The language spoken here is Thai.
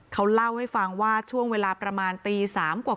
เขาเล่าให้ฟังว่าช่วงเวลาประมาณตี๓กว่า